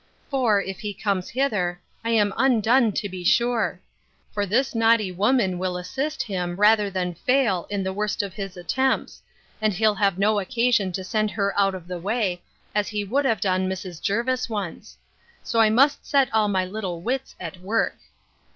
For, if he comes hither, I am undone, to be sure! For this naughty woman will assist him, rather than fail, in the worst of his attempts; and he'll have no occasion to send her out of the way, as he would have done Mrs. Jervis once. So I must set all my little wits at work.